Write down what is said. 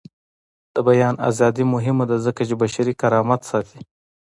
د بیان ازادي مهمه ده ځکه چې بشري کرامت ساتي.